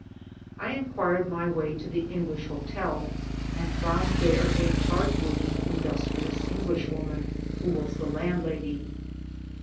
I inquired my way to the English hotel, and found there a hard working, industrious Englishwoman, who was the landlady.